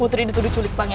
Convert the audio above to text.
putri dituduh culik pangeran